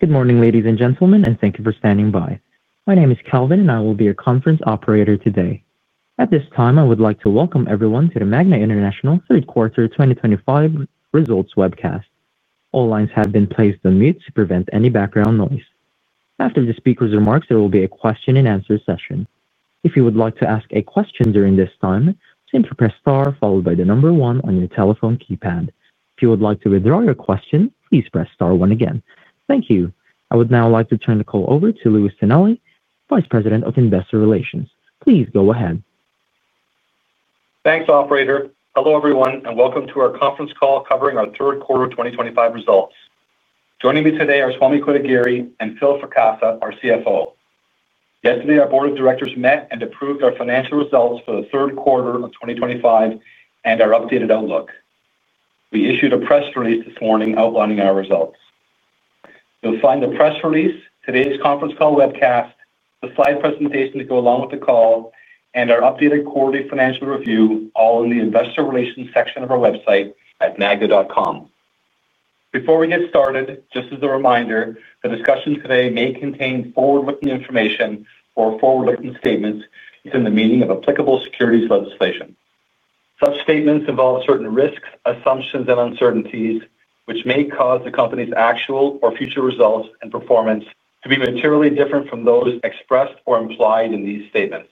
Good morning, ladies and gentlemen, and thank you for standing by. My name is Calvin, and I will be your conference operator today. At this time, I would like to welcome everyone to the Magna International third quarter 2025 results webcast. All lines have been placed on mute to prevent any background noise. After the speaker's remarks, there will be a question-and-answer session. If you would like to ask a question during this time, simply press star followed by the number one on your telephone keypad. If you would like to withdraw your question, please press star one again. Thank you. I would now like to turn the call over to Louis Tonelli, Vice President, Investor Relations. Please go ahead. Thanks, Operator. Hello, everyone, and welcome to our conference call covering our third quarter 2025 results. Joining me today are Swamy Kotagiri and Phil Fracassa, our CFO. Yesterday, our Board of Directors met and approved our financial results for the third quarter of 2025 and our updated outlook. We issued a press release this morning outlining our results. You'll find the press release, today's conference call webcast, the slide presentation to go along with the call, and our updated quarterly financial review all in the Investor Relations section of our website at magna.com. Before we get started, just as a reminder, the discussion today may contain forward-looking information or forward-looking statements within the meaning of applicable securities legislation. Such statements involve certain risks, assumptions, and uncertainties which may cause the company's actual or future results and performance to be materially different from those expressed or implied in these statements.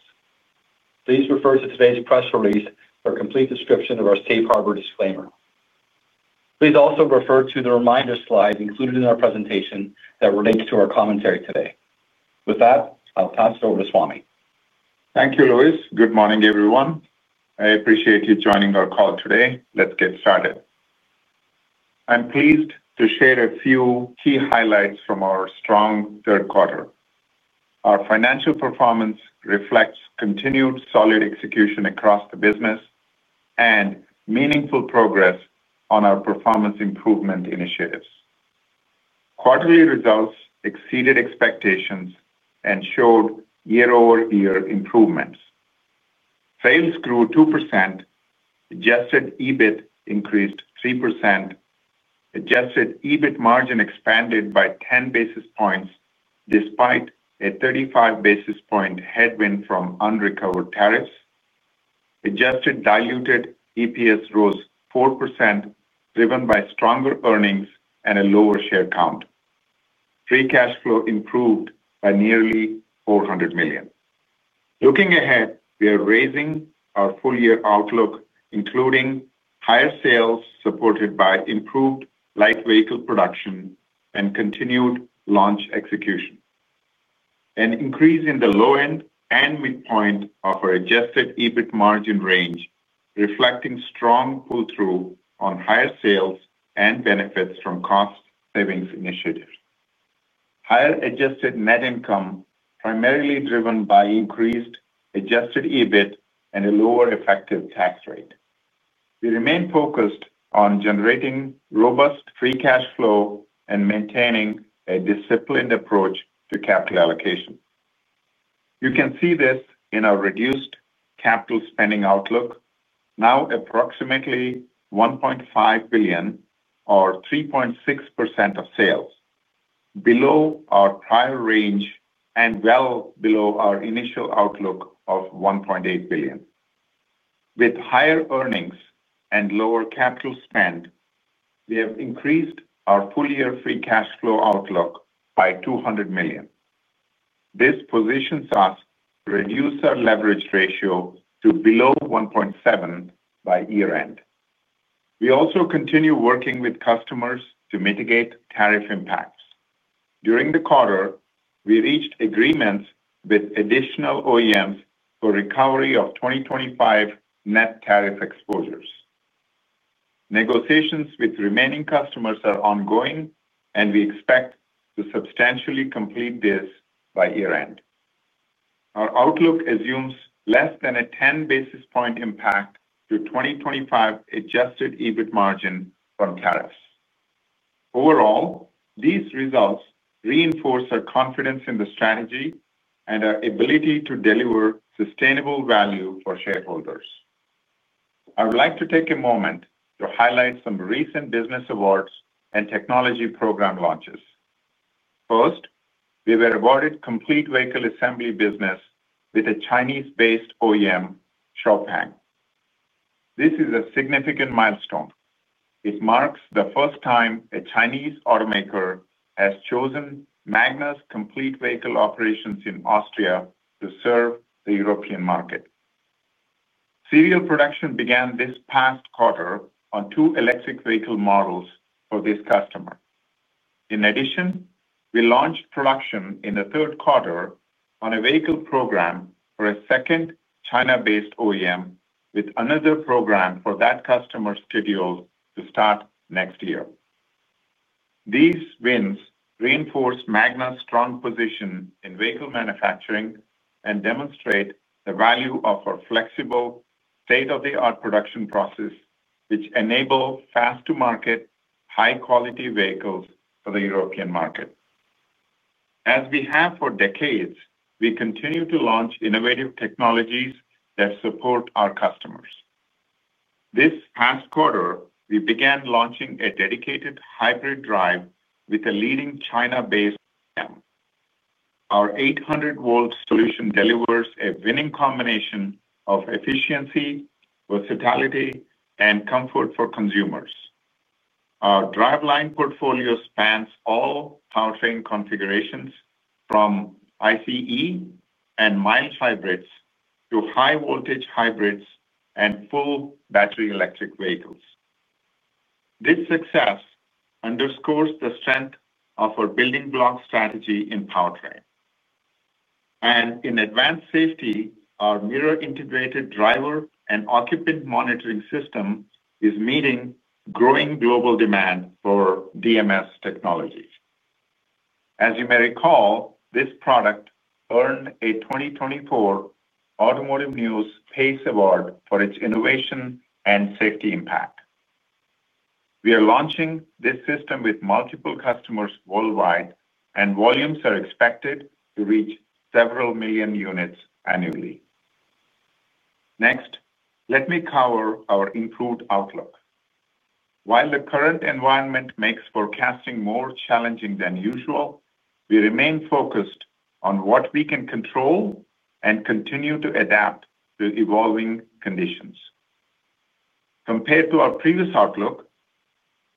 Please refer to today's press release for a complete description of our safe harbor disclaimer. Please also refer to the reminder slide included in our presentation that relates to our commentary today. With that, I'll pass it over to Swamy. Thank you, Louis. Good morning, everyone. I appreciate you joining our call today. Let's get started. I'm pleased to share a few key highlights from our strong third quarter. Our financial performance reflects continued solid execution across the business and meaningful progress on our performance improvement initiatives. Quarterly results exceeded expectations and showed year-over-year improvements. Sales grew 2%. Adjusted EBIT increased 3%. Adjusted EBIT margin expanded by 10 basis points despite a 35 basis point headwind from unrecovered tariffs. Adjusted diluted EPS rose 4% driven by stronger earnings and a lower share count. Free Cash Flow improved by nearly $400 million. Looking ahead, we are raising our full-year outlook, including higher sales supported by improved light vehicle production and continued launch execution. An increase in the low-end and midpoint of our adjusted EBIT margin range reflects strong pull-through on higher sales and benefits from cost-savings initiatives. Higher adjusted net income is primarily driven by increased adjusted EBIT and a lower effective tax rate. We remain focused on generating robust free cash flow and maintaining a disciplined approach to capital allocation. You can see this in our reduced capital spending outlook, now approximately $1.5 billion or 3.6% of sales, below our prior range and well below our initial outlook of $1.8 billion. With higher earnings and lower capital spend, we have increased our full-year free cash flow outlook by $200 million. This positions us to reduce our leverage ratio to below 1.7 by year-end. We also continue working with customers to mitigate tariff impacts. During the quarter, we reached agreements with additional OEMs for recovery of 2025 net tariff exposures. Negotiations with remaining customers are ongoing, and we expect to substantially complete this by year-end. Our outlook assumes less than a 10 basis point impact to 2025 adjusted EBIT margin from tariffs. Overall, these results reinforce our confidence in the strategy and our ability to deliver sustainable value for shareholders. I would like to take a moment to highlight some recent business awards and technology program launches. First, we were awarded complete vehicle assembly business with a China-based OEM, XPeng. This is a significant milestone. It marks the first time a Chinese automaker has chosen Magna's complete vehicle operations in Austria to serve the European market. Serial production began this past quarter on two electric vehicle models for this customer. In addition, we launched production in the third quarter on a vehicle program for a second China-based OEM, with another program for that customer scheduled to start next year. These wins reinforce Magna's strong position in vehicle manufacturing and demonstrate the value of our flexible, state-of-the-art production process, which enables fast-to-market, high-quality vehicles for the European market. As we have for decades, we continue to launch innovative technologies that support our customers. This past quarter, we began launching a dedicated hybrid drive with a leading China-based OEM. Our 800-volt hybrid drive solution delivers a winning combination of efficiency, versatility, and comfort for consumers. Our drive line portfolio spans all powertrain configurations, from ICE and mild hybrids to high-voltage hybrids and full battery electric vehicles. This success underscores the strength of our building block strategy in powertrain. In advanced safety, our mirror-integrated driver and occupant monitoring system is meeting growing global demand for DMS technologies. As you may recall, this product earned a 2024 Automotive News PACE Award for its innovation and safety impact. We are launching this system with multiple customers worldwide, and volumes are expected to reach several million units annually. Next, let me cover our improved outlook. While the current environment makes forecasting more challenging than usual, we remain focused on what we can control and continue to adapt to evolving conditions. Compared to our previous outlook,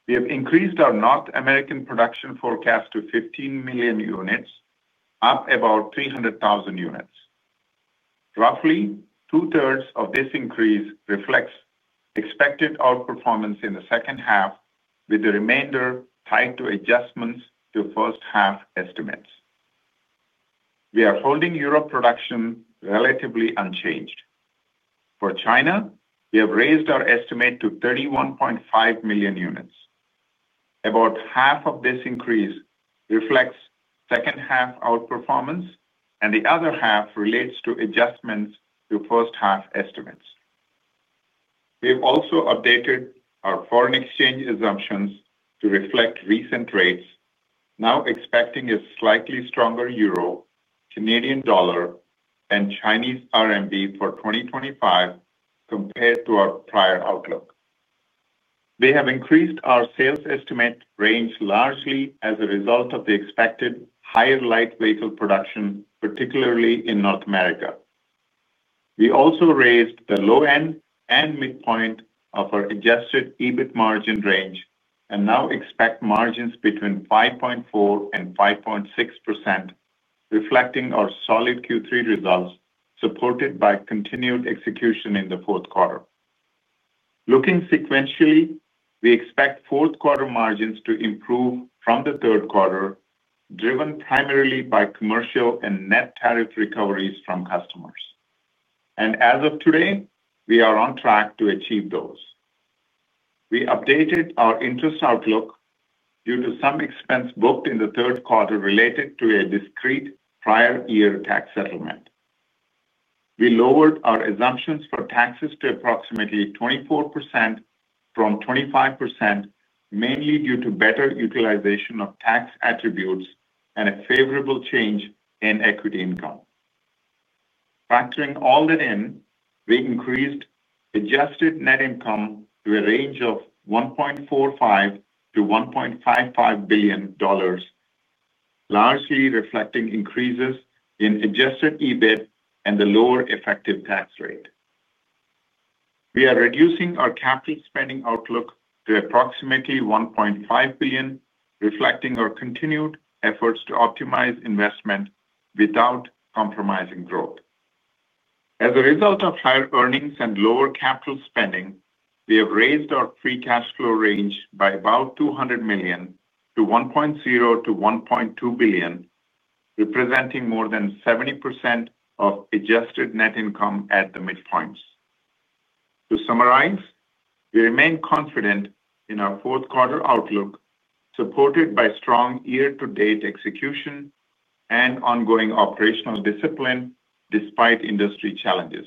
we have increased our North American production forecast to 15 million units, up about 300,000 units. Roughly two-thirds of this increase reflects expected outperformance in the second half, with the remainder tied to adjustments to first-half estimates. We are holding Europe production relatively unchanged. For China, we have raised our estimate to 31.5 million units. About half of this increase reflects second-half outperformance, and the other half relates to adjustments to first-half estimates. We have also updated our foreign exchange assumptions to reflect recent rates, now expecting a slightly stronger euro, Canadian dollar, and Chinese RMB for 2025 compared to our prior outlook. We have increased our sales estimate range largely as a result of the expected higher light vehicle production, particularly in North America. We also raised the low-end and midpoint of our adjusted EBIT margin range and now expect margins between 5.4% and 5.6%, reflecting our solid Q3 results supported by continued execution in the fourth quarter. Looking sequentially, we expect fourth quarter margins to improve from the third quarter, driven primarily by commercial and net tariff recoveries from customers. As of today, we are on track to achieve those. We updated our interest outlook due to some expense booked in the third quarter related to a discrete prior-year tax settlement. We lowered our assumptions for taxes to approximately 24% from 25%, mainly due to better utilization of tax attributes and a favorable change in equity income. Factoring all that in, we increased adjusted net income to a range of $1.45 billion-$1.55 billion, largely reflecting increases in adjusted EBIT and the lower effective tax rate. We are reducing our capital spending outlook to approximately $1.5 billion, reflecting our continued efforts to optimize investment without compromising growth. As a result of higher earnings and lower capital spending, we have raised our free cash flow range by about $200 million to $1.0 billion-$1.2 billion, representing more than 70% of adjusted net income at the midpoints. To summarize, we remain confident in our fourth quarter outlook, supported by strong year-to-date execution and ongoing operational discipline despite industry challenges.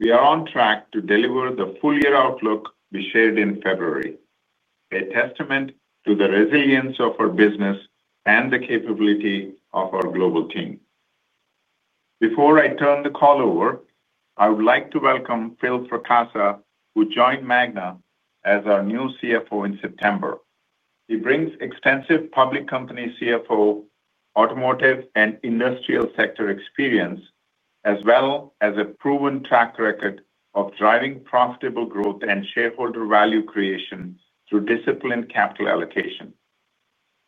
We are on track to deliver the full-year outlook we shared in February, a testament to the resilience of our business and the capability of our global team. Before I turn the call over, I would like to welcome Phil Fracassa, who joined Magna as our new CFO in September. He brings extensive public company CFO, automotive, and industrial sector experience, as well as a proven track record of driving profitable growth and shareholder value creation through disciplined capital allocation.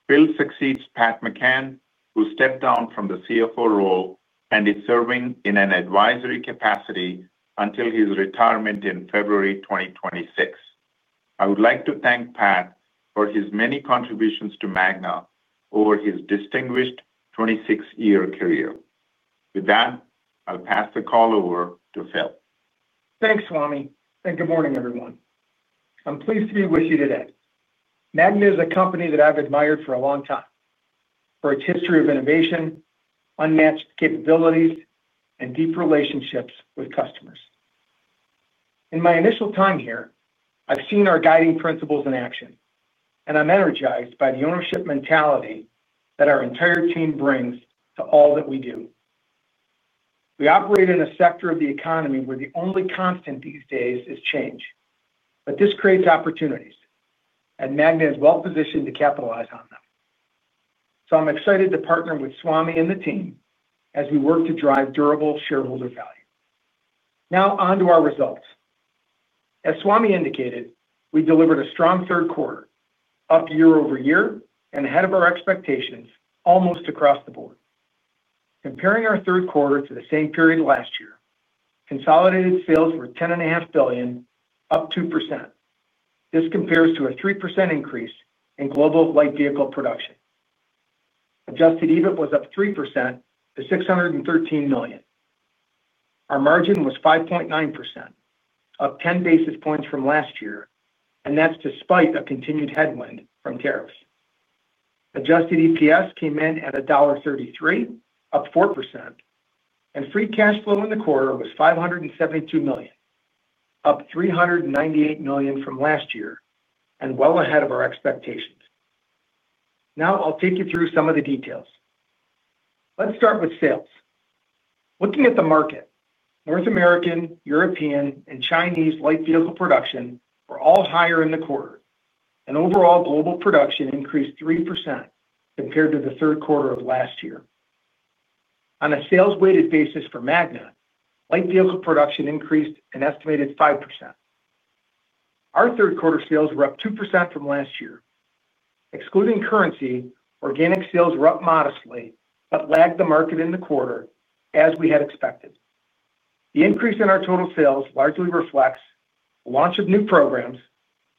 Phil succeeds Pat McCann, who stepped down from the CFO role and is serving in an advisory capacity until his retirement in February 2026. I would like to thank Pat for his many contributions to Magna over his distinguished 26-year career. With that, I'll pass the call over to Phil. Thanks, Swamy. Good morning, everyone. I'm pleased to be with you today. Magna is a company that I've admired for a long time for its history of innovation, unmatched capabilities, and deep relationships with customers. In my initial time here, I've seen our guiding principles in action, and I'm energized by the ownership mentality that our entire team brings to all that we do. We operate in a sector of the economy where the only constant these days is change. This creates opportunities, and Magna is well-positioned to capitalize on them. I'm excited to partner with Swamy and the team as we work to drive durable shareholder value. Now on to our results. As Swamy indicated, we delivered a strong third quarter, up year-over-year and ahead of our expectations almost across the board. Comparing our third quarter to the same period last year, consolidated sales were $10.5 billion, up 2%. This compares to a 3% increase in global light vehicle production. Adjusted EBIT was up 3% to $613 million. Our margin was 5.9%, up 10 basis points from last year, and that's despite a continued headwind from tariffs. Adjusted EPS came in at $1.33, up 4%. Free Cash Flow in the quarter was $572 million, up $398 million from last year, and well ahead of our expectations. Now I'll take you through some of the details. Let's start with sales. Looking at the market, North American, European, and Chinese light vehicle production were all higher in the quarter, and overall global production increased 3% compared to the third quarter of last year. On a sales-weighted basis for Magna, light vehicle production increased an estimated 5%. Our third-quarter sales were up 2% from last year. Excluding currency, organic sales were up modestly but lagged the market in the quarter, as we had expected. The increase in our total sales largely reflects the launch of new programs,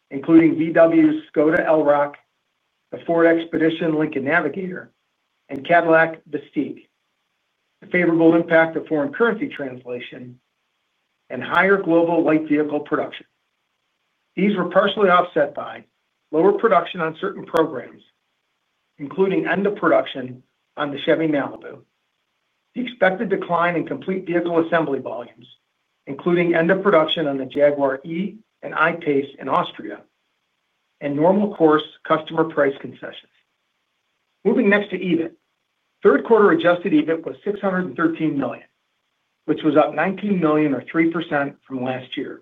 including VW's Škoda Elroq, the Ford Expedition Lincoln Navigator, and Cadillac Vistiq, the favorable impact of foreign currency translation, and higher global light vehicle production. These were partially offset by lower production on certain programs, including end-of-production on the Chevrolet Malibu, the expected decline in complete vehicle assembly volumes, including end-of-production on the Jaguar E-PACE and I-PACE in Austria, and normal-course customer price concessions. Moving next to EBIT, third quarter adjusted EBIT was $613 million, which was up $19 million or 3% from last year.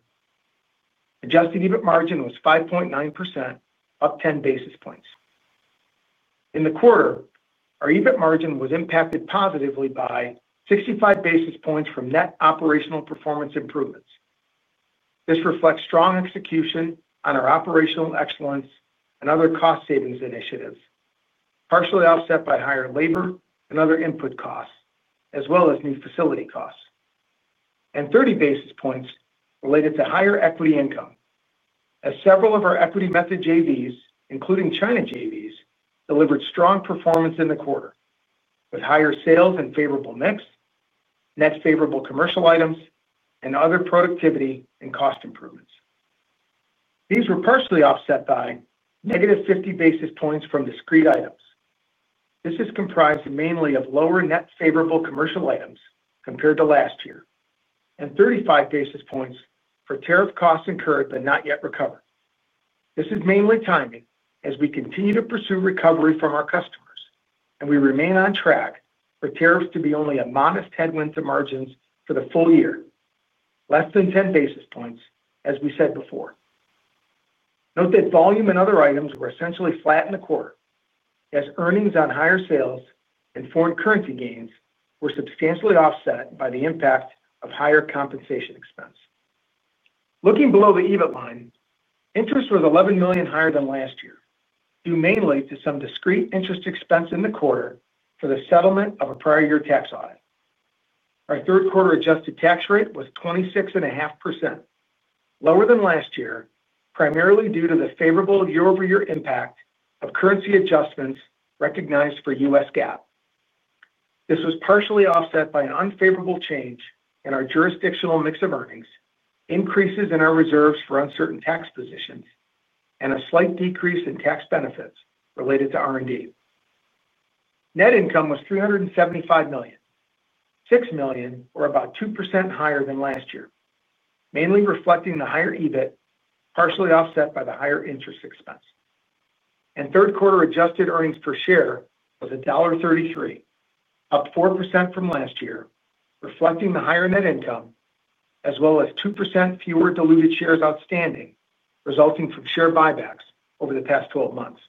Adjusted EBIT margin was 5.9%, up 10 basis points. In the quarter, our EBIT margin was impacted positively by 65 basis points from net operational performance improvements. This reflects strong execution on our operational excellence and other cost savings initiatives, partially offset by higher labor and other input costs, as well as new facility costs. There were 30 basis points related to higher equity income, as several of our equity-method JVs, including China JVs, delivered strong performance in the quarter with higher sales and favorable mix, net favorable commercial items, and other productivity and cost improvements. These were partially offset by -50 basis points from discrete items. This is comprised mainly of lower net favorable commercial items compared to last year, and 35 basis points for tariff costs incurred but not yet recovered. This is mainly timing, as we continue to pursue recovery from our customers, and we remain on track for tariffs to be only a modest headwind to margins for the full year, less than 10 basis points, as we said before. Note that volume and other items were essentially flat in the quarter, as earnings on higher sales and foreign currency gains were substantially offset by the impact of higher compensation expense. Looking below the EBIT line, interest was $11 million higher than last year, due mainly to some discrete interest expense in the quarter for the settlement of a prior-year tax audit. Our third quarter adjusted tax rate was 26.5%, lower than last year, primarily due to the favorable year-over-year impact of currency adjustments recognized for U.S. GAAP. This was partially offset by an unfavorable change in our jurisdictional mix of earnings, increases in our reserves for uncertain tax positions, and a slight decrease in tax benefits related to R&D. Net income was $375 million, $6 million or about 2% higher than last year, mainly reflecting the higher EBIT, partially offset by the higher interest expense. Third quarter adjusted earnings per share was $1.33, up 4% from last year, reflecting the higher net income, as well as 2% fewer diluted shares outstanding, resulting from share buybacks over the past 12 months.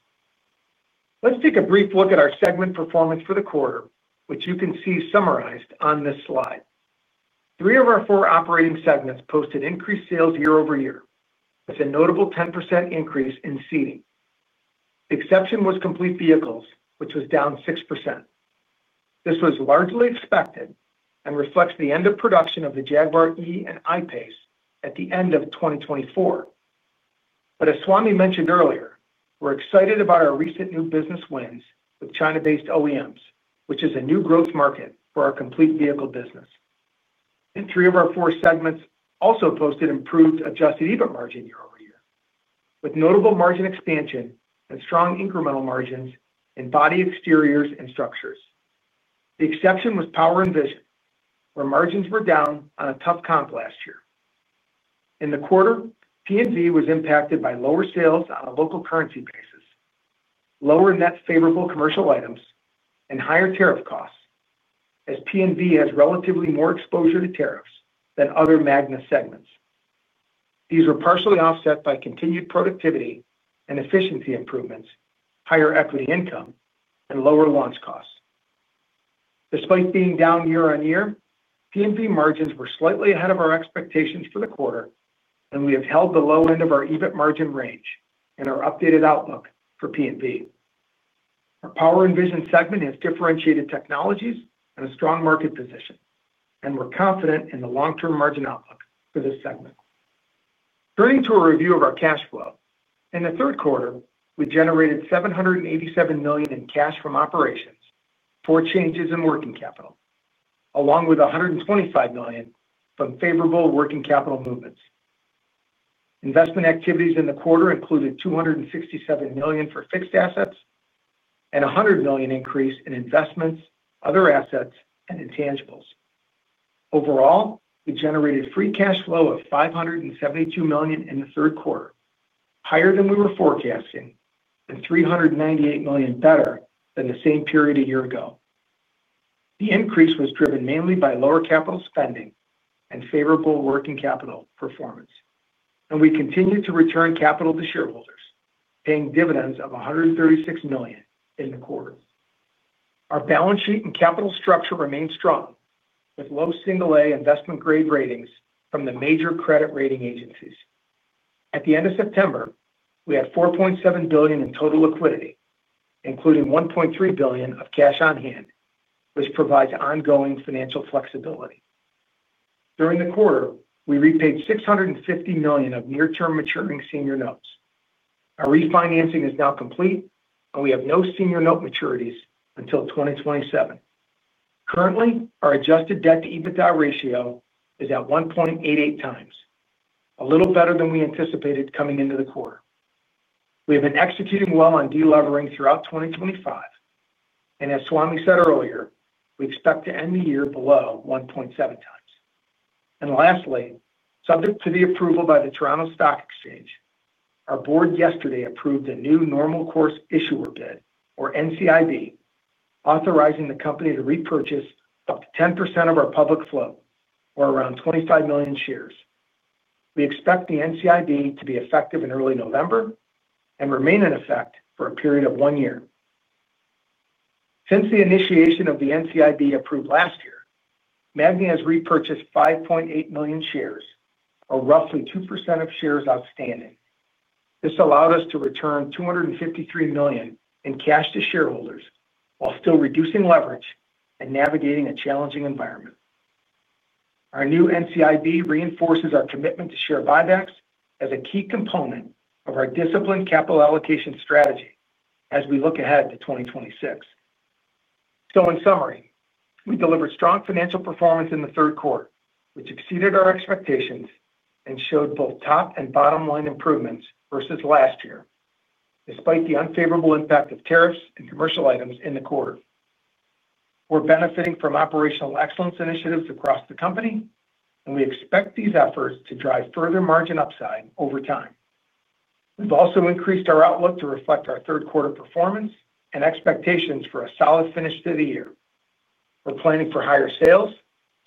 Let's take a brief look at our segment performance for the quarter, which you can see summarized on this slide. Three of our four operating segments posted increased sales year-over-year, with a notable 10% increase in seating. The exception was complete vehicles, which was down 6%. This was largely expected and reflects the end-of-production of the Jaguar E-PACE and I-PACE at the end of 2024. As Swamy mentioned earlier, we're excited about our recent new business wins with China-based OEMs, which is a new growth market for our complete vehicle business. Three of our four segments also posted improved adjusted EBIT margin year-over-year, with notable margin expansion and strong incremental margins in body, exteriors, and structures. The exception was Power and Vision, where margins were down on a tough comp last year. In the quarter, P&V was impacted by lower sales on a local currency basis, lower net favorable commercial items, and higher tariff costs, as P&V has relatively more exposure to tariffs than other Magna segments. These were partially offset by continued productivity and efficiency improvements, higher equity income, and lower launch costs. Despite being down year-on-year, P&V margins were slightly ahead of our expectations for the quarter, and we have held the low end of our EBIT margin range in our updated outlook for P&V. Our Power and Vision segment has differentiated technologies and a strong market position, and we're confident in the long-term margin outlook for this segment. Turning to a review of our cash flow, in the third quarter, we generated $787 million in cash from operations, for changes in working capital, along with $125 million from favorable working capital movements. Investment activities in the quarter included $267 million for fixed assets and a $100 million increase in investments, other assets, and intangibles. Overall, we generated free cash flow of $572 million in the third quarter, higher than we were forecasting and $398 million better than the same period a year ago. The increase was driven mainly by lower capital spending and favorable working capital performance, and we continued to return capital to shareholders, paying dividends of $136 million in the quarter. Our balance sheet and capital structure remained strong, with low single-A investment-grade ratings from the major credit rating agencies. At the end of September, we had $4.7 billion in total liquidity, including $1.3 billion of cash on hand, which provides ongoing financial flexibility. During the quarter, we repaid $650 million of near-term maturing senior notes. Our refinancing is now complete, and we have no senior note maturities until 2027. Currently, our adjusted debt-to-EBITDA ratio is at 1.88x, a little better than we anticipated coming into the quarter. We have been executing well on deleveraging throughout 2025. As Swamy said earlier, we expect to end the year below 1.7x. Lastly, subject to the approval by the Toronto Stock Exchange, our board yesterday approved a new Normal Course Issuer Bid, or NCIB, authorizing the company to repurchase up to 10% of our public float, or around 25 million shares. We expect the NCIB to be effective in early November and remain in effect for a period of one year. Since the initiation of the NCIB approved last year, Magna has repurchased 5.8 million shares, or roughly 2% of shares outstanding. This allowed us to return $253 million in cash to shareholders while still reducing leverage and navigating a challenging environment. Our new NCIB reinforces our commitment to share buybacks as a key component of our disciplined capital allocation strategy as we look ahead to 2026. In summary, we delivered strong financial performance in the third quarter, which exceeded our expectations and showed both top and bottom-line improvements versus last year, despite the unfavorable impact of tariffs and commercial items in the quarter. We are benefiting from operational excellence initiatives across the company, and we expect these efforts to drive further margin upside over time. We have also increased our outlook to reflect our third quarter performance and expectations for a solid finish to the year. We are planning for higher sales,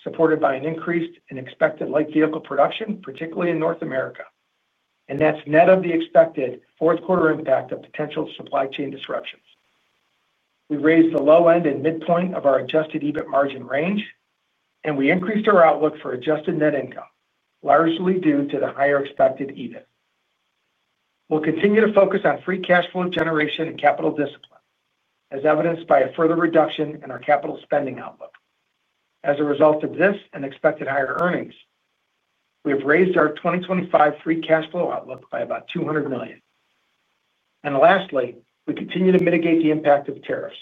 supported by an increase in expected light vehicle production, particularly in North America, and that is net of the expected fourth quarter impact of potential supply chain disruptions. We raised the low end and midpoint of our adjusted EBIT margin range, and we increased our outlook for adjusted net income, largely due to the higher expected EBIT. We will continue to focus on free cash flow generation and capital discipline, as evidenced by a further reduction in our capital spending outlook. As a result of this and expected higher earnings, we have raised our 2025 free cash flow outlook by about $200 million. Lastly, we continue to mitigate the impact of tariffs.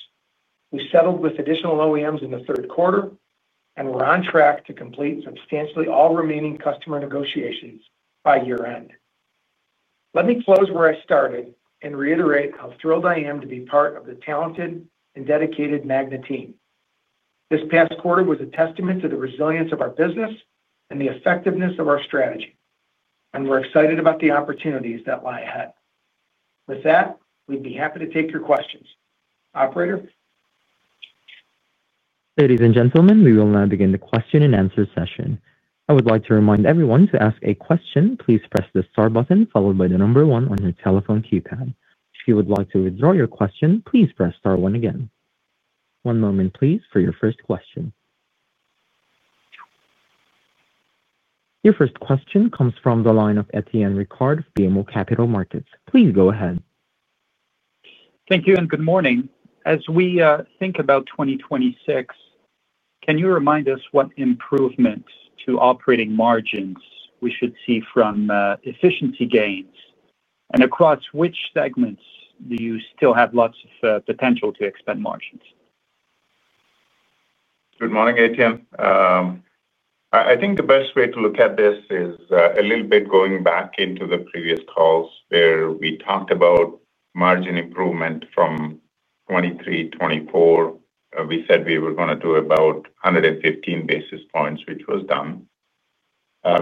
We settled with additional OEMs in the third quarter, and we are on track to complete substantially all remaining customer negotiations by year-end. Let me close where I started and reiterate how thrilled I am to be part of the talented and dedicated Magna team. This past quarter was a testament to the resilience of our business and the effectiveness of our strategy, and we're excited about the opportunities that lie ahead. With that, we'd be happy to take your questions. Operator. Ladies and gentlemen, we will now begin the question-and-answer session. I would like to remind everyone to ask a question, please press the star button followed by the number one on your telephone keypad. If you would like to withdraw your question, please press star one again. One moment, please, for your first question. Your first question comes from the line of Etienne Ricard, BMO Capital Markets. Please go ahead. Thank you and good morning. As we think about 2026, can you remind us what improvements to operating margins we should see from efficiency gains, and across which segments do you still have lots of potential to expand margins? Good morning, Etienne. I think the best way to look at this is a little bit going back into the previous calls where we talked about margin improvement from 2023-2024. We said we were going to do about 115 basis points, which was done.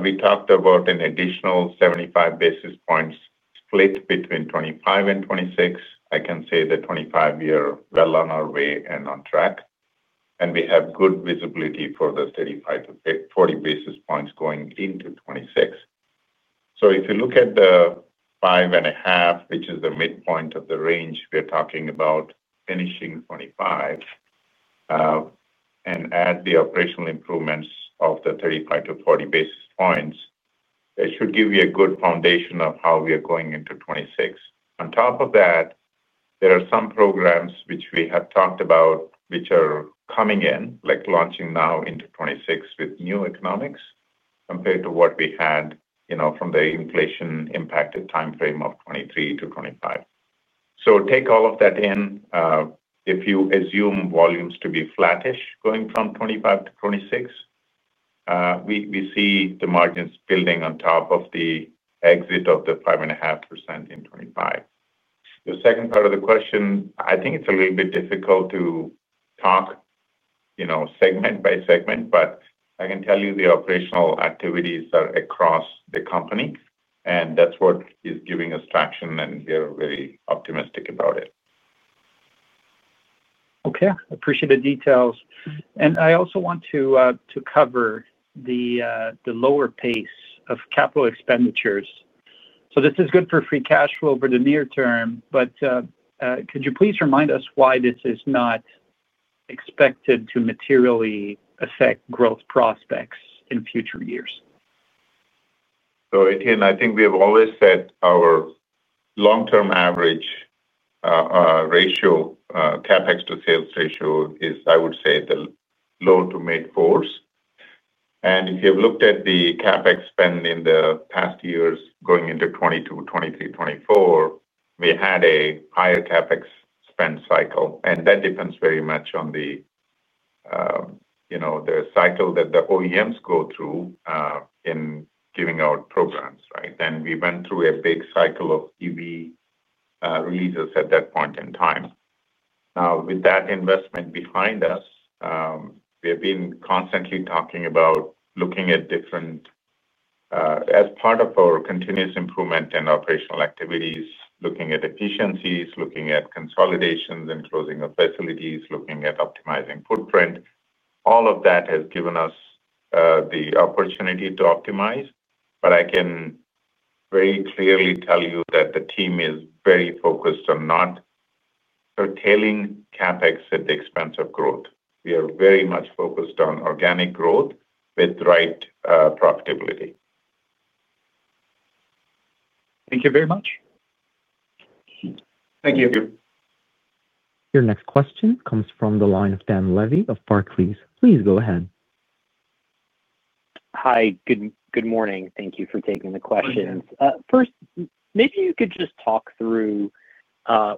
We talked about an additional 75 basis points split between 2025 and 2026. I can say the 2025 year is well on our way and on track, and we have good visibility for the 35-40 basis points going into 2026. If you look at the 5.5%, which is the midpoint of the range, we're talking about finishing 2025, and add the operational improvements of the 35-40 basis points, it should give you a good foundation of how we are going into 2026. On top of that, there are some programs which we have talked about which are coming in, like launching now into 2026 with new economics compared to what we had from the inflation-impacted timeframe of 2023 to 2025. Take all of that in. If you assume volumes to be flattish going from 2025 to 2026, we see the margins building on top of the exit of the 5.5% in 2025. The second part of the question, I think it's a little bit difficult to talk segment by segment, but I can tell you the operational activities are across the company, and that's what is giving us traction, and we are very optimistic about it. Okay. I appreciate the details. I also want to cover the lower pace of capital expenditures. This is good for free cash flow for the near term, but could you please remind us why this is not. Expected to materially affect growth prospects in future years? Etienne, I think we have always said our long-term average CapEx to sales ratio is, I would say, the low to mid-fours. If you've looked at the CapEx spend in the past years going into 2022, 2023, 2024, we had a higher CapEx spend cycle, and that depends very much on the cycle that the OEMs go through in giving out programs, right? We went through a big cycle of EV releases at that point in time. Now, with that investment behind us, we have been constantly talking about looking at different, as part of our continuous improvement and operational activities, looking at efficiencies, looking at consolidations and closing of facilities, looking at optimizing footprint. All of that has given us the opportunity to optimize, but I can very clearly tell you that the team is very focused on not curtailing CapEx at the expense of growth. We are very much focused on organic growth with the right profitability. Thank you very much. Thank you. Your next question comes from the line of Dan Levy of Barclays. Please go ahead. Hi. Good morning. Thank you for taking the questions. First, maybe you could just talk through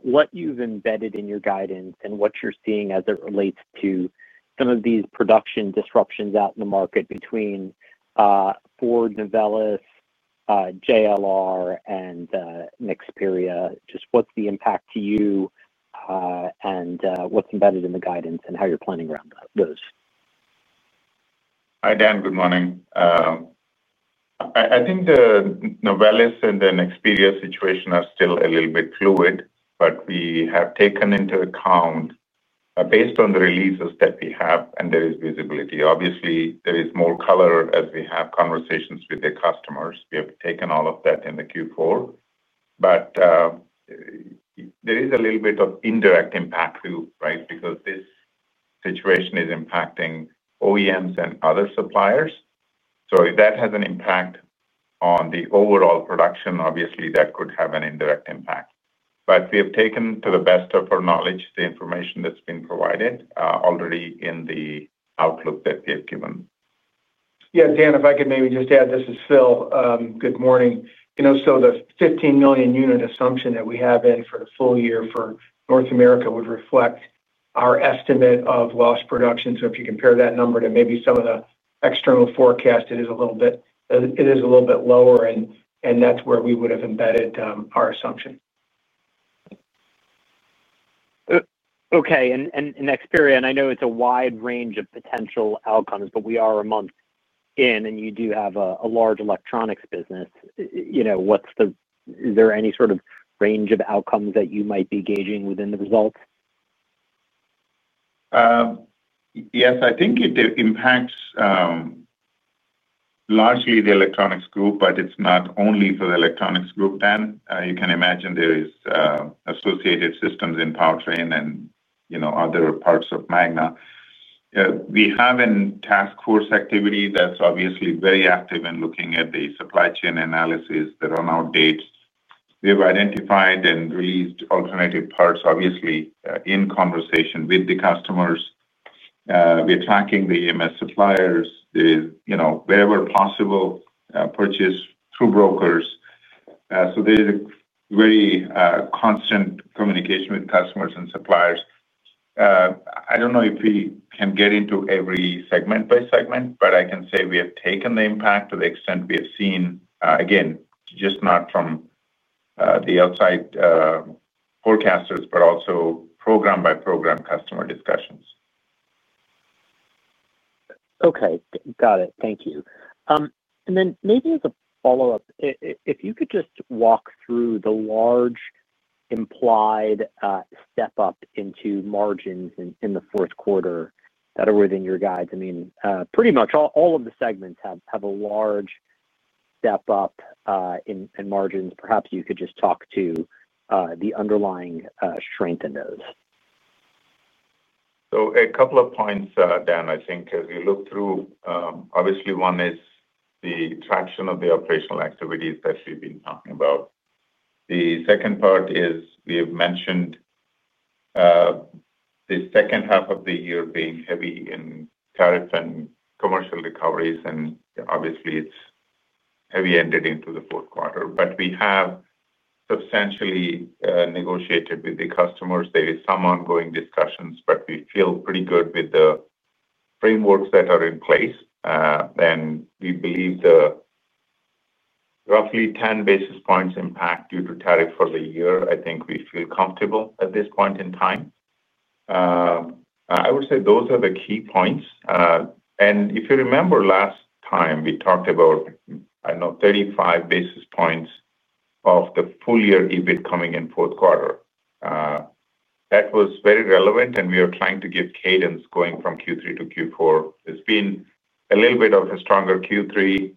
what you've embedded in your guidance and what you're seeing as it relates to some of these production disruptions out in the market between Ford, Novelis, JLR, and Nexperia. Just what's the impact to you and what's embedded in the guidance and how you're planning around those? Hi, Dan. Good morning. I think the Novelis and the Nexperia situation are still a little bit fluid, but we have taken into account, based on the releases that we have, and there is visibility. Obviously, there is more color as we have conversations with the customers. We have taken all of that in the Q4, but there is a little bit of indirect impact too, right, because this situation is impacting OEMs and other suppliers. If that has an impact on the overall production, obviously, that could have an indirect impact. We have taken, to the best of our knowledge, the information that's been provided already in the outlook that we have given. Yeah. Dan, if I could maybe just add, this is Phil. Good morning. The 15 million unit assumption that we have in for the full year for North America would reflect our estimate of lost production. If you compare that number to maybe some of the external forecasts, it is a little bit lower, and that's where we would have embedded our assumption. Okay. Nexperia, and I know it's a wide range of potential outcomes, but we are a month in, and you do have a large electronics business. Is there any sort of range of outcomes that you might be gauging within the results? Yes. I think it impacts largely the electronics group, but it's not only for the electronics group, Dan. You can imagine there are associated systems in Powertrain and other parts of Magna. We have a task force activity that's obviously very active in looking at the supply chain analysis, the runout dates. We have identified and released alternative parts, obviously in conversation with the customers. We're tracking the EMS suppliers. Wherever possible, there is purchase through brokers. There is very constant communication with customers and suppliers. I don't know if we can get into every segment by segment, but I can say we have taken the impact to the extent we have seen, again, just not from the outside forecasters, but also program-by-program customer discussions. Okay. Got it. Thank you. Maybe as a follow-up, if you could just walk through the large implied step-up into margins in the fourth quarter that are within your guides. Pretty much all of the segments have a large step-up in margins. Perhaps you could just talk to the underlying strength in those. A couple of points, Dan, as we look through. Obviously, one is the traction of the operational activities that we've been talking about. The second part is we have mentioned the second half of the year being heavy in tariff and commercial recoveries, and obviously, it's heavy-handed into the fourth quarter. We have substantially negotiated with the customers. There are some ongoing discussions, but we feel pretty good with the frameworks that are in place. We believe the roughly 10 bps impact due to tariff for the year, I think we feel comfortable at this point in time. I would say those are the key points. If you remember last time, we talked about 35 bps of the full-year EBIT coming in fourth quarter. That was very relevant, and we are trying to give cadence going from Q3 to Q4. There's been a little bit of a stronger Q3.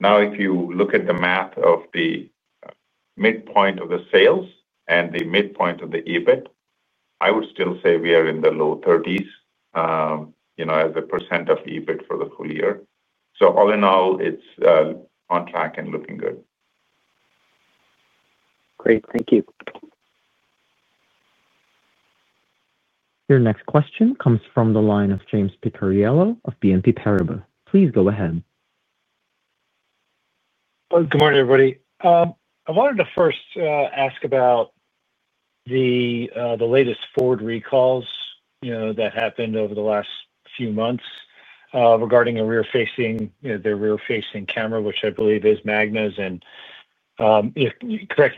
Now, if you look at the math of the midpoint of the sales and the midpoint of the EBIT, I would still say we are in the low 30s as a percent of EBIT for the full year. All in all, it's on track and looking good. Great. Thank you. Your next question comes from the line of James Picariello of BNP Paribas. Please go ahead. Good morning, everybody. I wanted to first ask about the latest Ford recalls that happened over the last few months regarding the rear-facing camera, which I believe is Magna's. Correct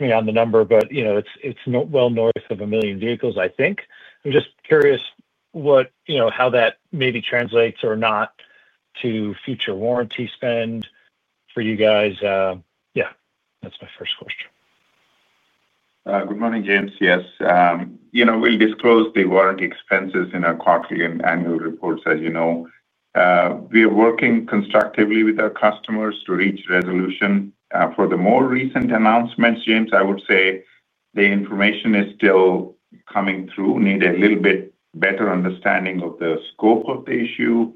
me on the number, but it's well north of a million vehicles, I think. I'm just curious how that maybe translates or not to future warranty spend for you guys. Yeah. That's my first question. Good morning, James. Yes. We'll disclose the warranty expenses in our quarterly and annual reports, as you know. We are working constructively with our customers to reach resolution. For the more recent announcements, James, I would say the information is still coming through. We need a little bit better understanding of the scope of the issue.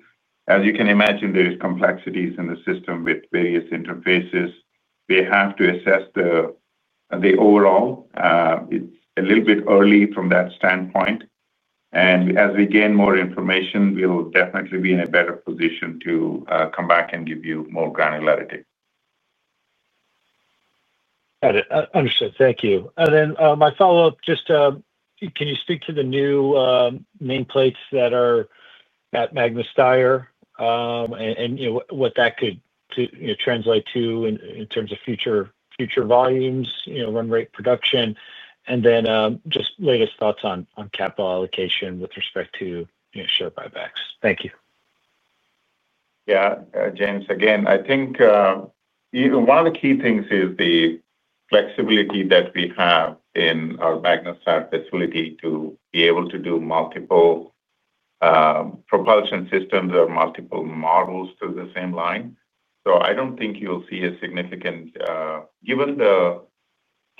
As you can imagine, there are complexities in the system with various interfaces. We have to assess the overall situation. It's a little bit early from that standpoint. As we gain more information, we'll definitely be in a better position to come back and give you more granularity. Got it. Understood. Thank you. My follow-up, just can you speak to the new nameplates that are at Magna Steyr and what that could translate to in terms of future volumes, run-rate production, and then just latest thoughts on capital allocation with respect to share buybacks. Thank you. Yeah. James, again, I think one of the key things is the flexibility that we have in our Magna Steyr facility to be able to do multiple propulsion systems or multiple models to the same line. I don't think you'll see a significant increase, given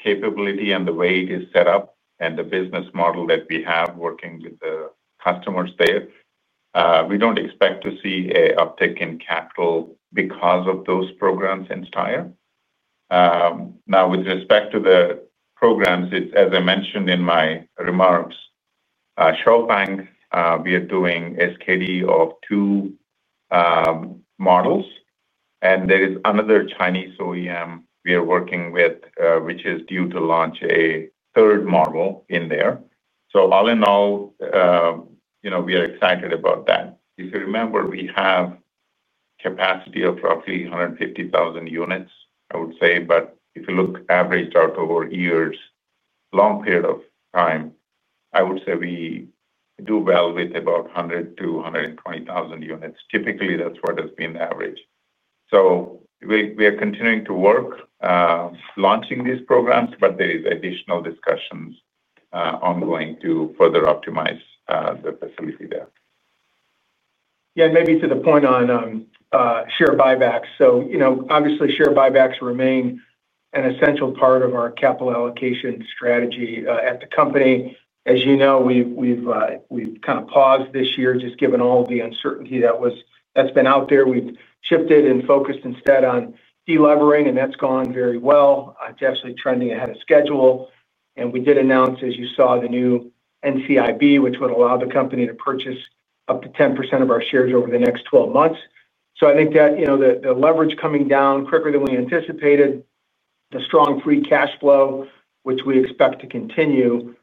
the capability and the way it is set up and the business model that we have working with the customers there. We don't expect to see an uptick in capital because of those programs in Steyr. Now, with respect to the programs, as I mentioned in my remarks, XPeng, we are doing SKD of two models, and there is another Chinese OEM we are working with, which is due to launch a third model in there. All in all, we are excited about that. If you remember, we have capacity of roughly 150,000 units, I would say. If you look averaged out over years, long period of time, I would say we do well with about 100,000-120,000 units. Typically, that's what has been the average. We are continuing to work, launching these programs, but there are additional discussions ongoing to further optimize the facility there. Maybe to the point on share buybacks. Obviously, share buybacks remain an essential part of our capital allocation strategy at the company. As you know, we've kind of paused this year just given all the uncertainty that's been out there. We've shifted and focused instead on deleveraging, and that's gone very well. It's actually trending ahead of schedule. We did announce, as you saw, the new NCIB, which would allow the company to purchase up to 10% of our shares over the next 12 months. I think that the leverage coming down quicker than we anticipated, the strong free cash flow, which we expect to continue,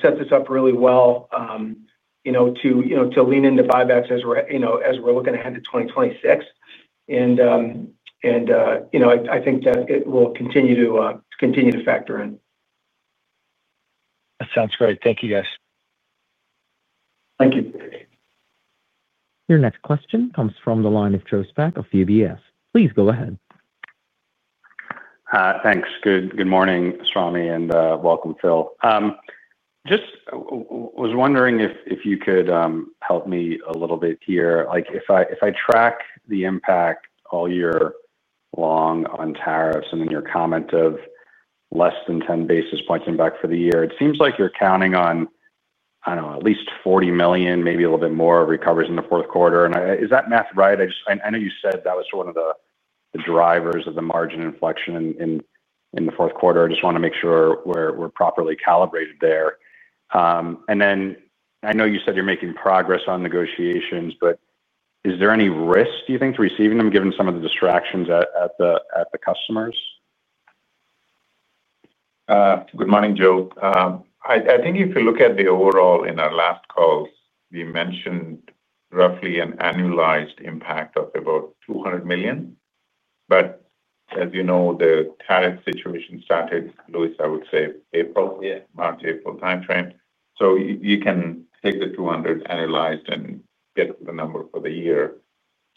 set this up really well to lean into buybacks as we're looking ahead to 2026. I think that it will continue to factor in. That sounds great. Thank you, guys. Thank you. Your next question comes from the line of Joe Spak of UBS. Please go ahead. Thanks. Good morning, Swamy, and welcome, Phil. Just was wondering if you could help me a little bit here. If I track the impact all year long on tariffs and then your comment of less than 10 bps impact for the year, it seems like you're counting on, I don't know, at least $40 million, maybe a little bit more recoveries in the fourth quarter. Is that math right? I know you said that was one of the drivers of the margin inflection in the fourth quarter. I just want to make sure we're properly calibrated there. I know you said you're making progress on negotiations, but is there any risk, do you think, to receiving them given some of the distractions at the customers? Good morning, Joe. I think if you look at the overall in our last calls, we mentioned roughly an annualized impact of about $200 million. As you know, the tariff situation started, Louis, I would say, March, April timeframe. You can take the $200 million annualized and get the number for the year.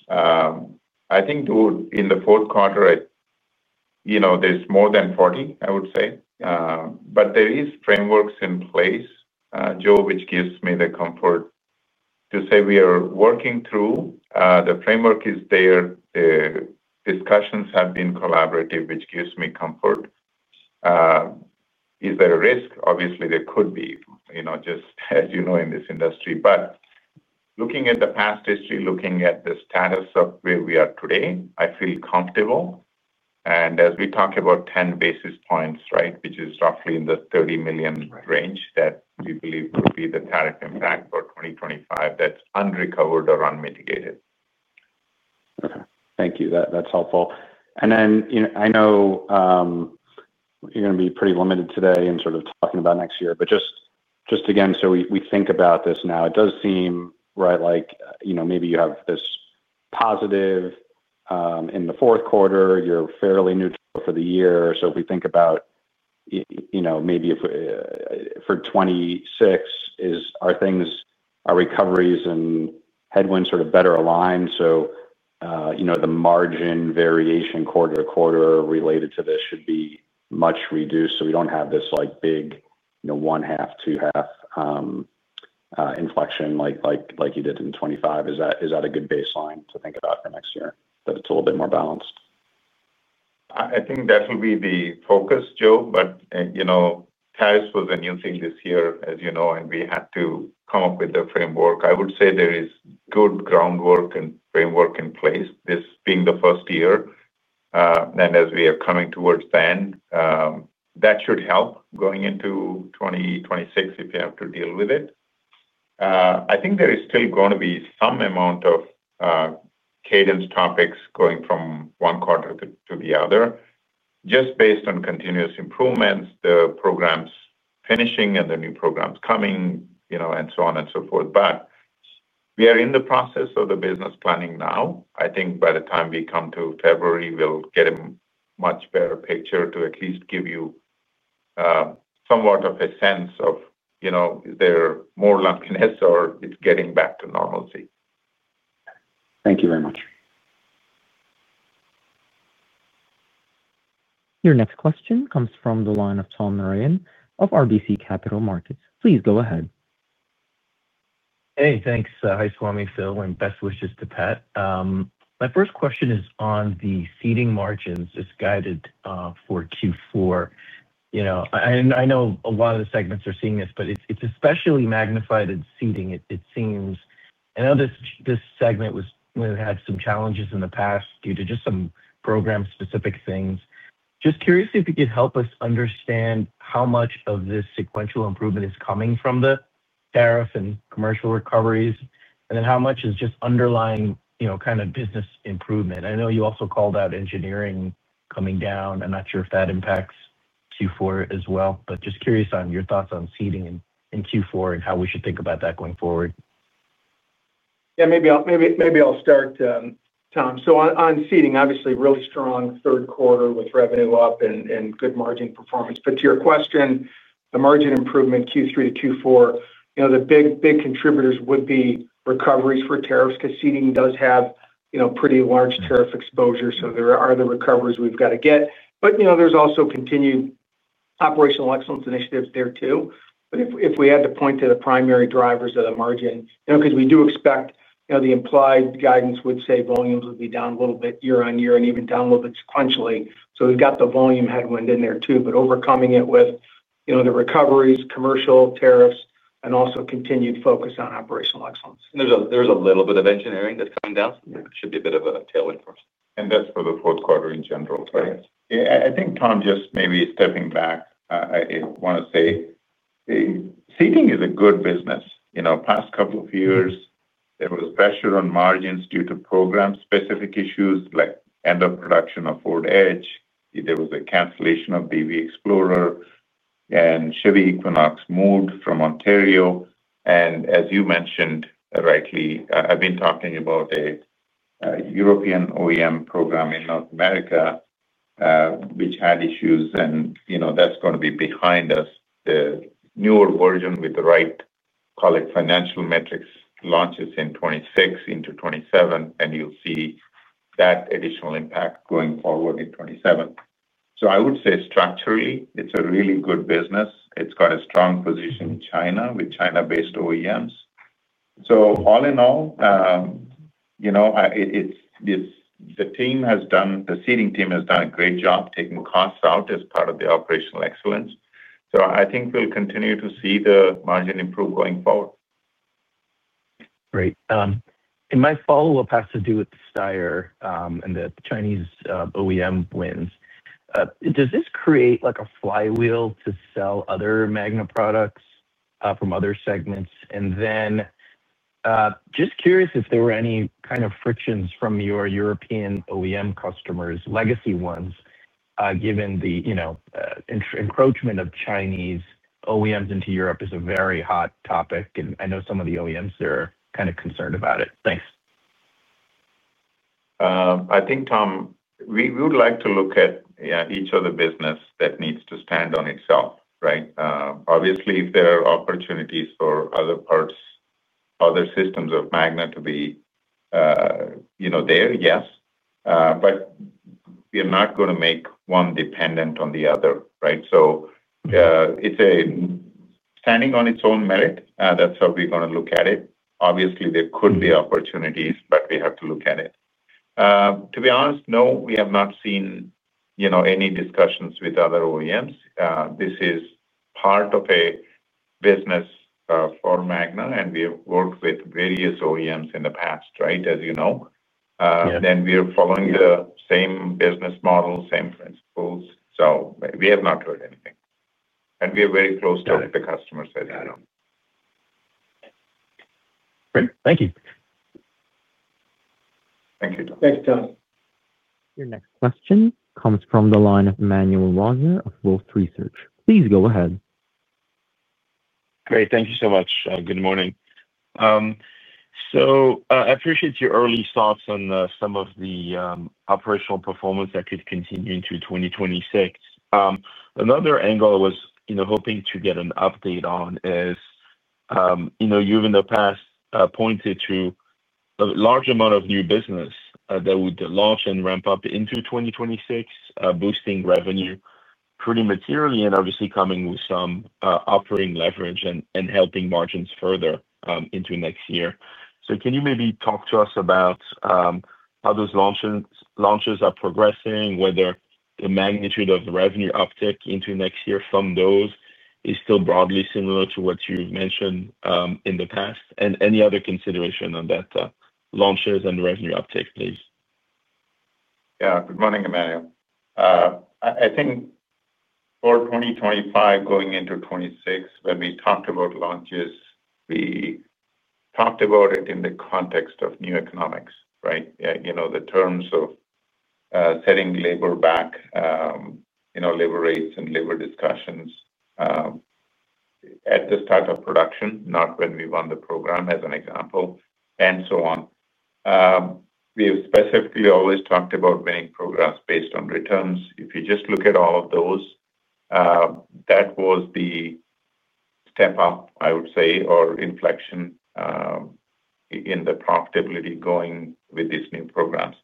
I think in the fourth quarter there's more than $40 million, I would say. There are frameworks in place, Joe, which gives me the comfort to say we are working through. The framework is there. The discussions have been collaborative, which gives me comfort. Is there a risk? Obviously, there could be, just as you know in this industry. Looking at the past history, looking at the status of where we are today, I feel comfortable. As we talk about 10 basis points, which is roughly in the $30 million range that we believe will be the tariff impact for 2025 that's unrecovered or unmitigated. Thank you. That's helpful. I know you're going to be pretty limited today in talking about next year. Just again, so we think about this now, it does seem like maybe you have this positive. In the fourth quarter, you're fairly neutral for the year. If we think about maybe for 2026, are things, are recoveries and headwinds sort of better aligned? The margin variation quarter to quarter related to this should be much reduced so we don't have this big one-half, two-half inflection like you did in 2025. Is that a good baseline to think about for next year, that it's a little bit more balanced? I think that will be the focus, Joe. Tariffs was a new thing this year, as you know, and we had to come up with the framework. I would say there is good groundwork and framework in place, this being the first year. As we are coming towards the end, that should help going into 2026 if you have to deal with it. I think there is still going to be some amount of cadence topics going from one quarter to the other, just based on continuous improvements, the programs finishing, and the new programs coming, and so on and so forth. We are in the process of the business planning now. I think by the time we come to February, we'll get a much better picture to at least give you somewhat of a sense of is there more lumpiness or it's getting back to normalcy. Thank you very much. Your next question comes from the line of Tom Narayan of RBC Capital Markets. Please go ahead. Hey, thanks. Hi, Swamy, Phil. Best wishes to Pat. My first question is on the seating margins as guided for Q4. I know a lot of the segments are seeing this, but it's especially magnified in seating. It seems, and I know this segment had some challenges in the past due to just some program-specific things. Just curious if you could help us understand how much of this sequential improvement is coming from the tariff and commercial recoveries, and then how much is just underlying kind of business improvement. I know you also called out engineering coming down. I'm not sure if that impacts Q4 as well, but just curious on your thoughts on seating in Q4 and how we should think about that going forward? Yeah. Maybe I'll start. Tom. So on seating, obviously, really strong third quarter with revenue up and good margin performance. To your question, the margin improvement Q3 to Q4, the big contributors would be recoveries for tariffs because seating does have pretty large tariff exposure. There are the recoveries we've got to get. There's also continued operational excellence initiatives there too. If we had to point to the primary drivers of the margin, we do expect the implied guidance would say volumes would be down a little bit year on year and even down a little bit sequentially. We've got the volume headwind in there too, but overcoming it with the recoveries, commercial tariffs, and also continued focus on operational excellence. There's a little bit of engineering that's coming down. It should be a bit of a tailwind for us. That's for the fourth quarter in general, right? Yeah. I think, Tom, just maybe stepping back. I want to say seating is a good business. Past couple of years, there was pressure on margins due to program-specific issues like end-of-production of Ford Edge. There was a cancellation of Ford Explorer. Chevrolet Equinox moved from Ontario. As you mentioned rightly, I've been talking about a European OEM program in North America, which had issues, and that's going to be behind us. The newer version with the right financial metrics launches in 2026 into 2027, and you'll see that additional impact going forward in 2027. I would say structurally, it's a really good business. It's got a strong position in China with China-based OEMs. All in all, the seating team has done a great job taking costs out as part of the operational excellence. I think we'll continue to see the margin improve going forward. Great. My follow-up has to do with Steyr and the Chinese OEM wins. Does this create a flywheel to sell other Magna products from other segments? Just curious if there were any kind of frictions from your European OEM customers, legacy ones, given the encroachment of Chinese OEMs into Europe is a very hot topic. I know some of the OEMs are kind of concerned about it. Thanks. I think, Tom, we would like to look at each other business that needs to stand on itself, right? Obviously, if there are opportunities for other parts, other systems of Magna to be there, yes. We're not going to make one dependent on the other, right? It's standing on its own merit. That's how we're going to look at it. Obviously, there could be opportunities, but we have to look at it. To be honest, no, we have not seen any discussions with other OEMs. This is part of a business for Magna, and we have worked with various OEMs in the past, right, as you know. We are following the same business model, same principles. We have not heard anything, and we are very close to the customers, as you know. Great. Thank you. Thank you, Tom. Thank you, Tom. Your next question comes from the line of Emmanuel Rosner of Wolfe Research. Please go ahead. Great. Thank you so much. Good morning. I appreciate your early thoughts on some of the operational performance that could continue into 2026. Another angle I was hoping to get an update on is, you, in the past, pointed to a large amount of new business that would launch and ramp up into 2026, boosting revenue pretty materially and obviously coming with some operating leverage and helping margins further into next year. Can you maybe talk to us about how those launches are progressing, whether the magnitude of the revenue uptick into next year from those is still broadly similar to what you've mentioned in the past? Any other consideration on that launches and revenue uptake, please? Yeah. Good morning, Emmanuel. I think for 2025 going into 2026, when we talked about launches, we talked about it in the context of new economics, right? The terms of setting labor back, labor rates and labor discussions at the start of production, not when we won the program, as an example, and so on. We have specifically always talked about winning programs based on returns. If you just look at all of those, that was the step up, I would say, or inflection in the profitability going with these new programs.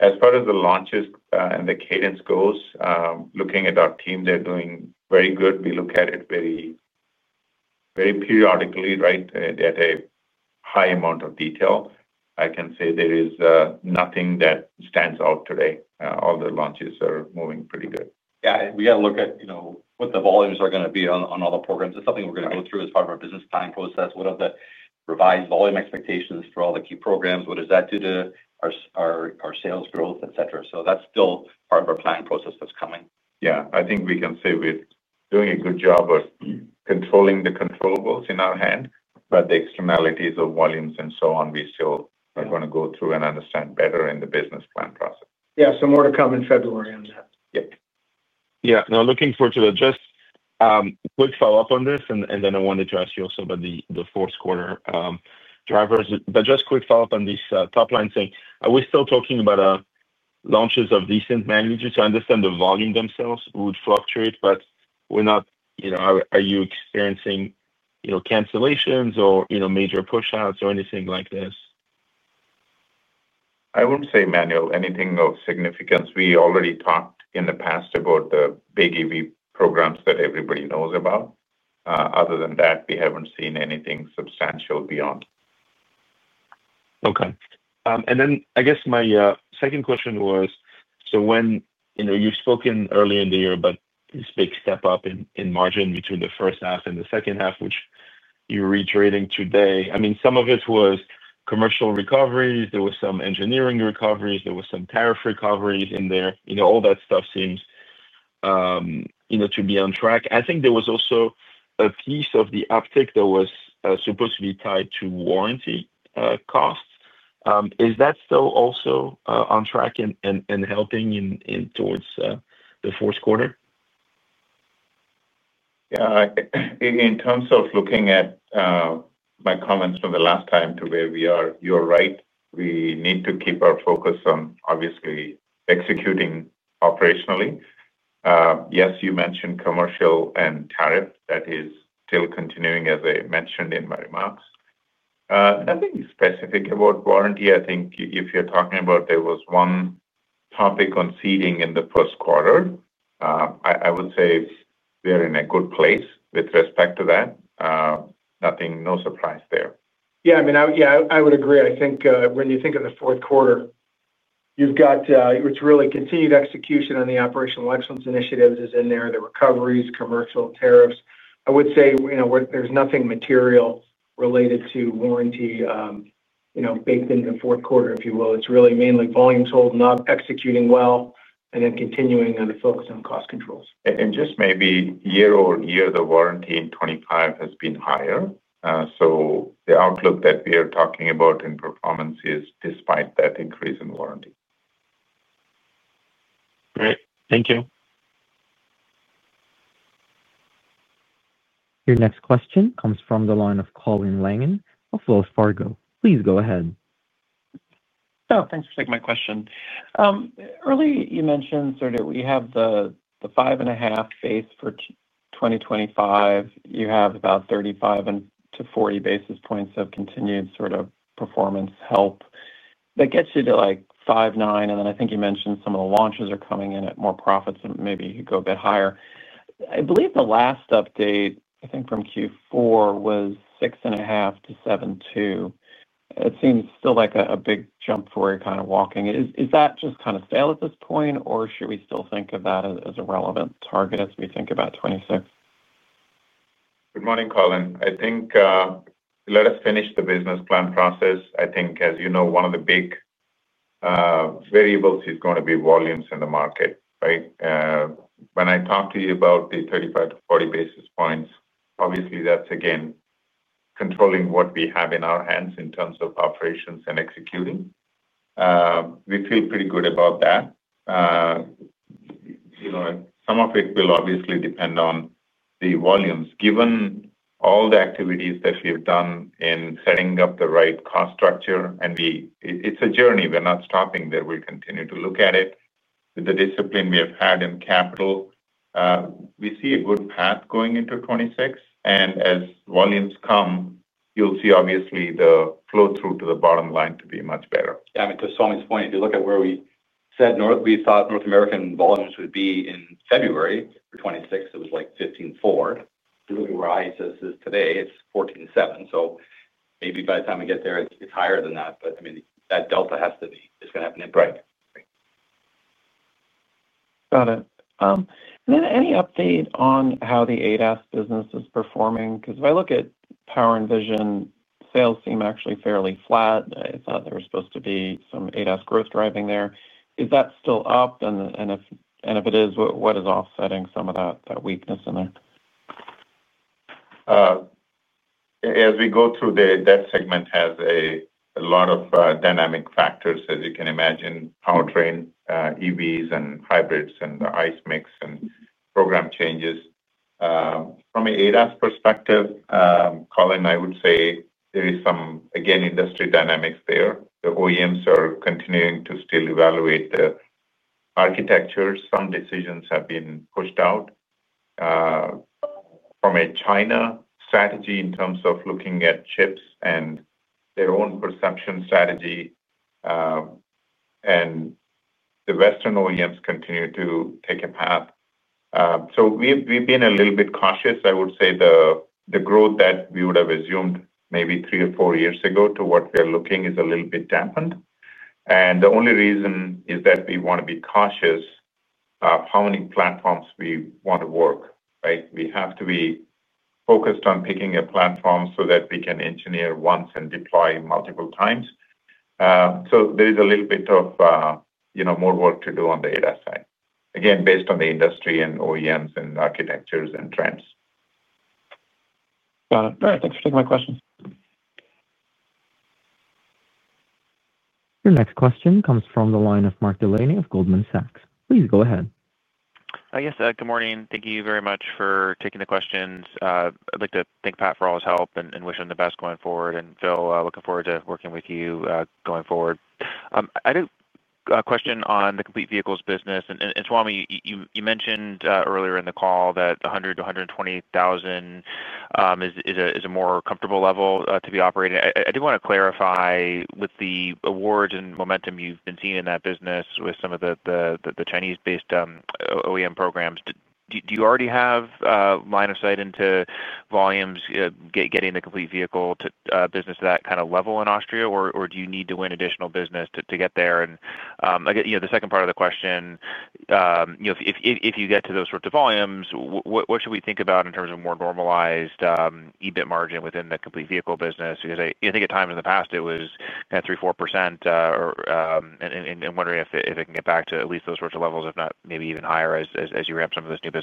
As far as the launches and the cadence goes, looking at our team, they're doing very good. We look at it very periodically, right, at a high amount of detail. I can say there is nothing that stands out today. All the launches are moving pretty good. We got to look at what the volumes are going to be on all the programs. It's something we're going to go through as part of our business planning process. What are the revised volume expectations for all the key programs? What does that do to our sales growth, etc? That's still part of our planning process; that's coming. I think we can say we're doing a good job of controlling the controllable in our hand, but the externalities of volumes and so on, we still are going to go through and understand better in the business plan process. Some more to come in February on that. Now, looking forward to that. Quick follow-up on this, and then I wanted to ask you also about the fourth quarter drivers. Quick follow-up on this top line thing. Are we still talking about launches of decent magnitude? I understand the volume themselves would fluctuate, but we're not. Are you experiencing cancellations or major push-outs or anything like this? I wouldn't say, Emmanuel, anything of significance. We already talked in the past about the big EV programs that everybody knows about. Other than that, we haven't seen anything substantial beyond. My second question was, you've spoken earlier in the year about this big step up in margin between the first half and the second half, which you're reiterating today. Some of it was commercial recoveries. There were some engineering recoveries. There were some tariff recoveries in there. All that stuff seems to be on track. I think there was also a piece of the uptick that was supposed to be tied to warranty costs. Is that still also on track and helping towards the fourth quarter? In terms of looking at my comments from the last time to where we are, you're right. We need to keep our focus on, obviously, executing operationally. Yes, you mentioned commercial and tariff. That is still continuing, as I mentioned in my remarks. Nothing specific about warranty. If you're talking about there was one topic on seating in the first quarter. I would say we're in a good place with respect to that. No surprise there. I would agree. When you think of the fourth quarter, it's really continued execution on the operational excellence initiatives that's in there, the recoveries, commercial tariffs. There's nothing material related to warranty baked into the fourth quarter, if you will. It's really mainly volumes holding up, executing well, and then continuing on the focus on cost controls. Maybe year-over-year, the warranty in 2025 has been higher. The outlook that we are talking about in performance is despite that increase in warranty. Great. Thank you. Your next question comes from the line of Colin Langan of Wells Fargo. Please go ahead. Oh, thanks for taking my question. Early, you mentioned sort of we have the 5.5% base for 2025. You have about 35 to 40 basis points of continued sort of performance help. That gets you to like 5.9%, and then I think you mentioned some of the launches are coming in at more profits, and maybe you could go a bit higher. I believe the last update, I think from Q4, was 6.5%-7.2%. It seems still like a big jump forward kind of walking. Is that just kind of stale at this point, or should we still think of that as a relevant target as we think about 2026? Good morning, Colin. I think let us finish the business plan process. I think, as you know, one of the big variables is going to be volumes in the market, right? When I talk to you about the 35-40 basis points, obviously, that's again controlling what we have in our hands in terms of operations and executing. We feel pretty good about that. Some of it will obviously depend on the volumes. Given all the activities that we've done in setting up the right cost structure, and it's a journey. We're not stopping there. We continue to look at it with the discipline we have had in capital. We see a good path going into 2026. As volumes come, you'll see obviously the flow through to the bottom line to be much better. Yeah. I mean, to Swamy's point, if you look at where we said we thought North American volumes would be in February for 2026, it was like 15.4. If you look at where IHS is today, it's 14.7. Maybe by the time we get there, it's higher than that. I mean, that delta has to be—it's going to happen in February. Got it. Any update on how the ADAS Business is performing? Because if I look at Power and Vision, sales seem actually fairly flat. I thought there was supposed to be some ADAS growth driving there. Is that still up? If it is, what is offsetting some of that weakness in there? As we go through, ADAS segment has a lot of dynamic factors, as you can imagine: powertrain, EVs, and hybrids, and the ICE mix, and program changes. From an ADAS perspective, Colin, I would say there is some, again, industry dynamics there. The OEMs are continuing to still evaluate the architecture. Some decisions have been pushed out. From a China strategy in terms of looking at chips and their own perception strategy, and the Western OEMs continue to take a path. We've been a little bit cautious. I would say the growth that we would have assumed maybe three or four years ago to what we are looking is a little bit dampened. The only reason is that we want to be cautious about how many platforms we want to work, right? We have to be focused on picking a platform so that we can engineer once and deploy multiple times. There is a little bit more work to do on the ADAS side, again, based on the industry and OEMs and architectures, and trends. Got it. All right. Thanks for taking my questions. Your next question comes from the line of Mark Delaney of Goldman Sachs. Please go ahead. Yes. Good morning. Thank you very much for taking the questions. I'd like to thank Pat for all his help and wish him the best going forward. Phil, looking forward to working with you going forward. I had a question on the complete vehicles business. Swamy, you mentioned earlier in the call that 100,000-120,000 is a more comfortable level to be operated. I do want to clarify with the awards and momentum you've been seeing in that business with some of the Chinese-based OEM programs. Do you already have line of sight into volumes, getting the complete vehicle business to that kind of level in Austria, or do you need to win additional business to get there? The second part of the question: if you get to those sorts of volumes, what should we think about in terms of more normalized EBIT margin within the complete vehicle business? Because I think at times in the past, it was kind of 3%, 4%. I'm wondering if it can get back to at least those sorts of levels, if not maybe even higher as you ramp some of this new business.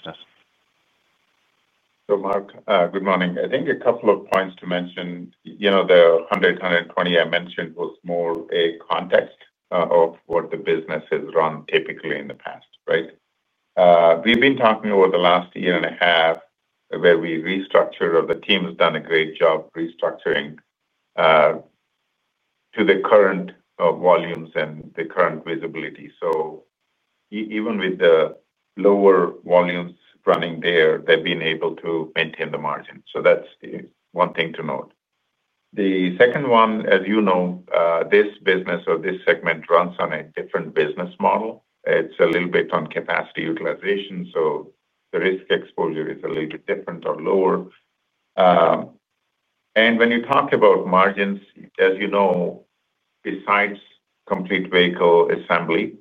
Mark, good morning. I think a couple of points to mention. The 100,000-120,000 I mentioned was more a context of what the business has run typically in the past, right? We've been talking over the last year and a half where we restructured, or the team has done a great job restructuring to the current volumes and the current visibility. Even with the lower volumes running there, they've been able to maintain the margin. That's one thing to note. The second one, as you know, this business or this segment runs on a different business model. It's a little bit on capacity utilization. The risk exposure is a little bit different or lower. When you talk about margins, as you know, besides complete vehicle assembly,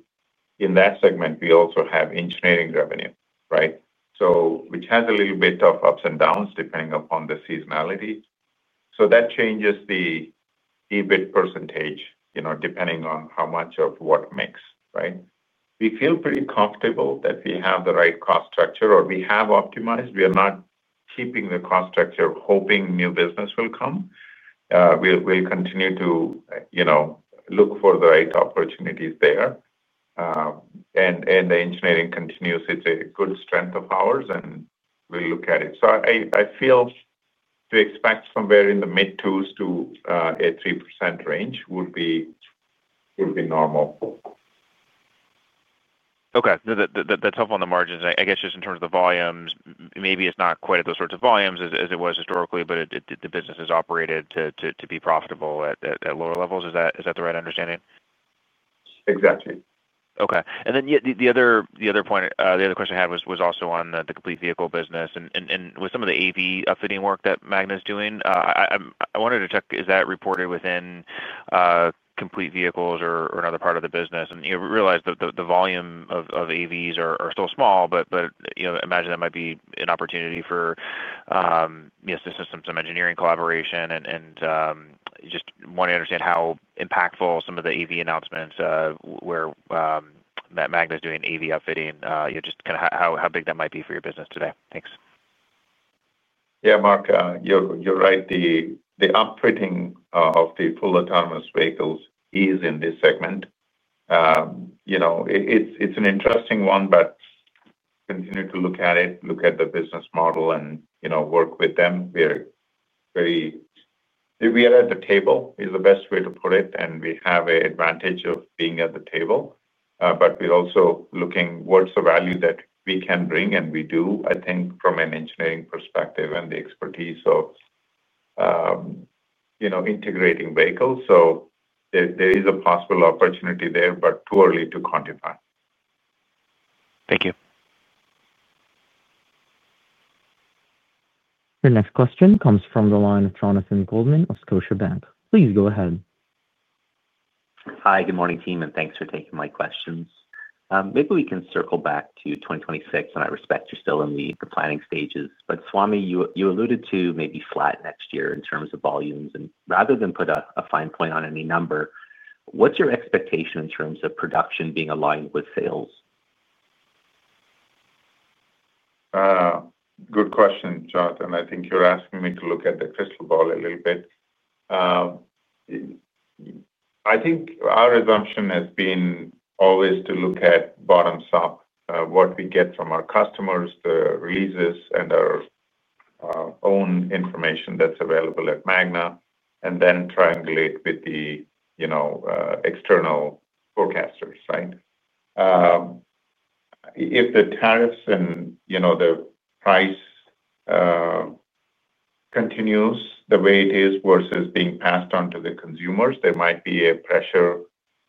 in that segment, we also have engineering revenue, right? Which has a little bit of ups and downs depending upon the seasonality. That changes the EBIT percentage depending on how much of what mix, right? We feel pretty comfortable that we have the right cost structure or we have optimized. We are not keeping the cost structure, hoping new business will come. We'll continue to look for the right opportunities there. The engineering continues. It's a good strength of ours, and we'll look at it. I feel to expect somewhere in the mid-2% to a 3% range would be normal. Okay. That's helpful on the margins. I guess just in terms of the volumes, maybe it's not quite at those sorts of volumes as it was historically, but the business has operated to be profitable at lower levels. Is that the right understanding? Exactly. Okay. The other point, the other question I had was also on the complete vehicle business. With some of the AV upfitting work that Magna is doing, I wanted to check, is that reported within complete vehicles or another part of the business? We realize the volume of AVs are still small, but imagine that might be an opportunity for just some engineering collaboration. Just wanting to understand how impactful some of the AV announcements where Magna is doing AV upfitting, just kind of how big that might be for your business today. Thanks. Yeah, Mark, you're right. The upfitting of the full autonomous vehicles is in this segment. It's an interesting one. Continue to look at it, look at the business model, and work with them. We are at the table is the best way to put it, and we have an advantage of being at the table. We're also looking at what's the value that we can bring, and we do, I think, from an engineering perspective and the expertise of integrating vehicles. There is a possible opportunity there, but too early to quantify. Thank you. Your next question comes from the line of Jonathan Goldman of Scotiabank. Please go ahead. Hi, good morning, team, and thanks for taking my questions. Maybe we can circle back to 2026, and I respect you're still in the planning stages. Swamy, you alluded to maybe flat next year in terms of volumes. Rather than put a fine point on any number, what's your expectation in terms of production being aligned with sales? Good question, Jonathan. I think you're asking me to look at the crystal ball a little bit. I think our assumption has been always to look at bottoms up, what we get from our customers, the releases, and our own information that's available at Magna, and then triangulate with the external forecasters, right? If the tariffs and the price continues the way it is versus being passed on to the consumers, there might be a pressure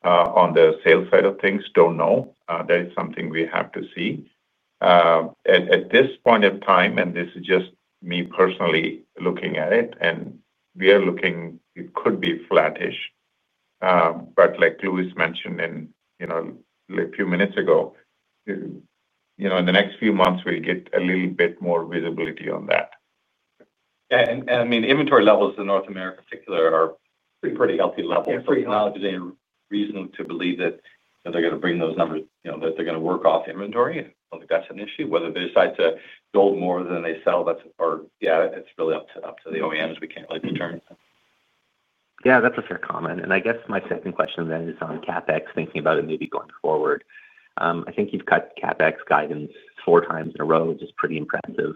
on the sales side of things. Don't know. That is something we have to see at this point in time, and this is just me personally looking at it, and we are looking, it could be flattish. Like Louis mentioned a few minutes ago, in the next few months, we get a little bit more visibility on that. I mean, inventory levels in North America in particular are pretty healthy levels. It's not reasonable to believe that they're going to bring those numbers, that they're going to work off inventory. I don't think that's an issue. Whether they decide to build more than they sell, it's really up to the OEMs. We can't really determine. Yeah, that's a fair comment. I guess my second question then is on CapEx, thinking about it maybe going forward. I think you've cut CapEx guidance 4x in a row, which is pretty impressive.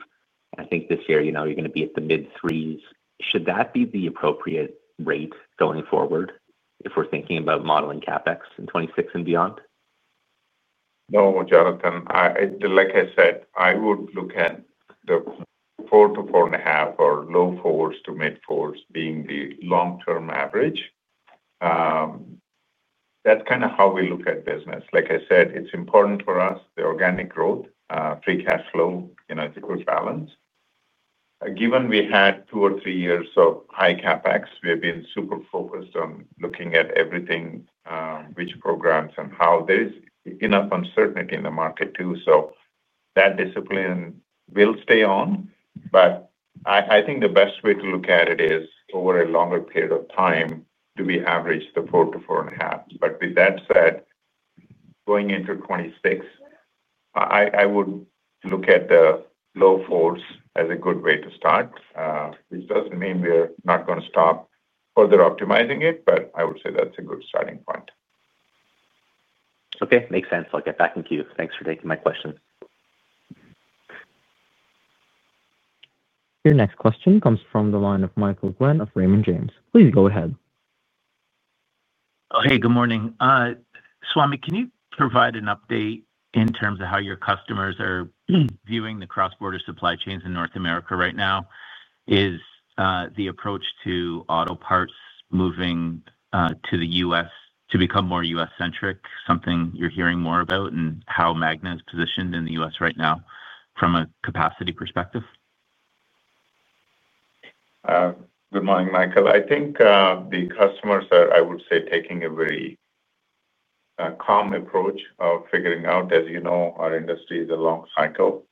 I think this year you're going to be at the mid-3s. Should that be the appropriate rate going forward if we're thinking about modeling CapEx in 2026 and beyond? No, Jonathan. Like I said, I would look at the four to four and a half or low fours to mid-fours being the long-term average. That's kind of how we look at business. Like I said, it's important for us, the organic growth, free cash flow, it's a good balance. Given we had two or three years of high CapEx, we have been super focused on looking at everything, which programs, and how there is enough uncertainty in the market too. That discipline will stay on. I think the best way to look at it is over a longer period of time, do we average the four to four and a half? With that said, going into 2026, I would look at the low fours as a good way to start. Which doesn't mean we're not going to stop further optimizing it, but I would say that's a good starting point. Okay. Makes sense. I'll get back with you. Thanks for taking my question. Your next question comes from the line of Michael Glen of Raymond James. Please go ahead. Hey, good morning. Swamy, can you provide an update in terms of how your customers are viewing the cross-border supply chains in North America right now? Is the approach to auto parts moving to the U.S. to become more U.S.-centric something you're hearing more about and how Magna is positioned in the U.S. right now from a capacity perspective? Good morning, Michael. I think the customers are, I would say, taking a very calm approach of figuring out, as you know, our industry is a long cycle.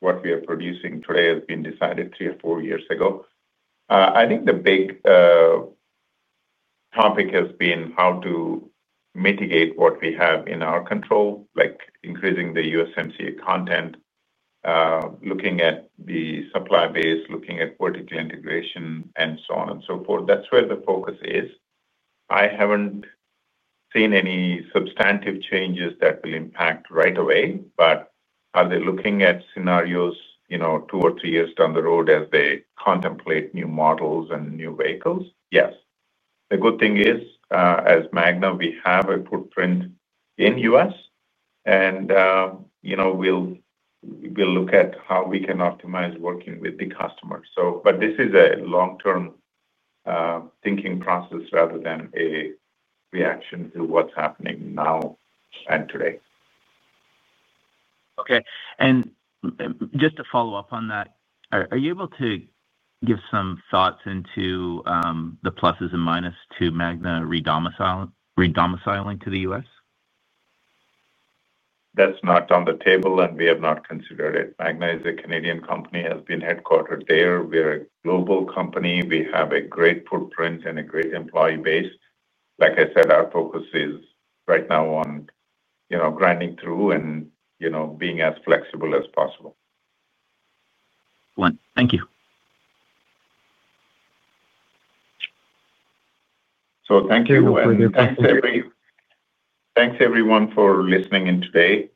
What we are producing today has been decided three or four years ago. I think the big topic has been how to mitigate what we have in our control, like increasing the USMCA content, looking at the supply base, looking at vertical integration, and so on and so forth. That's where the focus is. I haven't seen any substantive changes that will impact right away, but are they looking at scenarios two or three years down the road as they contemplate new models and new vehicles? Yes. The good thing is, as Magna, we have a footprint in the U.S., and we'll look at how we can optimize working with the customer. This is a long-term thinking process rather than a reaction to what's happening now and today. Okay. Just to follow up on that, are you able to give some thoughts into the pluses and minus to Magna redomiciling to the U.S.? That's not on the table, and we have not considered it. Magna is a Canadian company that has been headquartered there. We're a global company. We have a great footprint and a great employee base. Like I said, our focus is right now on grinding through and being as flexible as possible. Excellent. Thank you. So thank you. Thanks, everyone, for listening in today.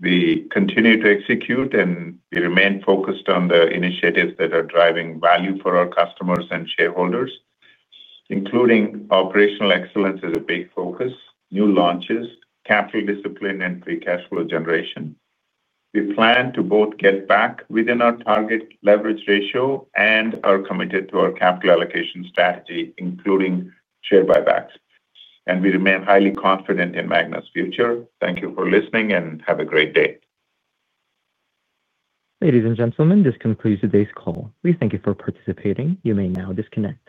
We continue to execute, and we remain focused on the initiatives that are driving value for our customers and shareholders. Including operational excellence is a big focus, new launches, capital discipline, and free cash flow generation. We plan to both get back within our target leverage ratio and are committed to our capital allocation strategy, including share buybacks. We remain highly confident in Magna's future. Thank you for listening, and have a great day. Ladies and gentlemen, this concludes today's call. Thank you for participating. You may now disconnect.